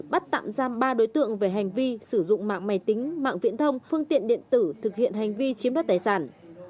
bắt tạm giam ba đối tượng về hành vi sử dụng mạng máy tính mạng viễn thông phương tiện điện tử thực hiện hành vi chiếm đoạt tài sản